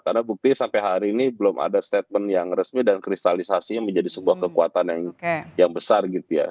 karena bukti sampai hari ini belum ada statement yang resmi dan kristalisasi menjadi sebuah kekuatan yang besar gitu ya